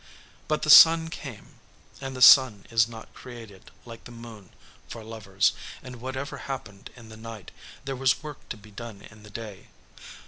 ] But the sun came, and the sun is not created, like the moon, for lovers, and whatever happened in the night, there was work to be done in the day.